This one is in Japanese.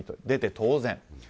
出て当然。